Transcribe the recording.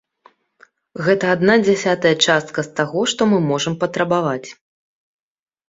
Гэта адна дзясятая частка з таго, што мы можам патрабаваць.